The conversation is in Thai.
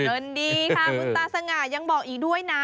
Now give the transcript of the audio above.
คุณตาสง่ายังบอกอีกด้วยนะ